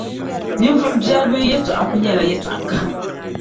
ninvuɣ’ biɛri bɛn’ yɛtɔɣa kul nyɛla yɛtɔɣ’ kaha.